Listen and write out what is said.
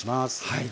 はい。